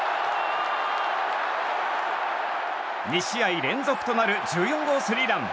２試合連続となる１４号スリーラン。